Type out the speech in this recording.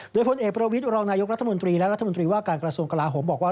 โดยผลเอกประวิทย์วงสุวรณารัฐมสและทว่าการกระทรวงกลาห่มบอกว่า